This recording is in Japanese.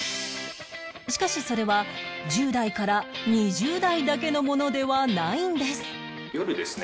しかしそれは１０代から２０代だけのものではないんです